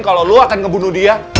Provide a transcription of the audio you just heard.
kalau lo akan ngebunuh dia